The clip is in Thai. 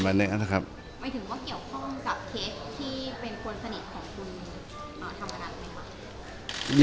หมายถึงว่าเกี่ยวข้องกับเคสที่เป็นคนสนิทของคุณธรรมนัฐไหมคะ